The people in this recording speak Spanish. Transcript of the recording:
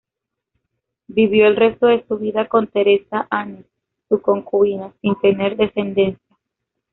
Vivió el resto de su vida con Teresa Anes, su concubina, sin tener descendencia.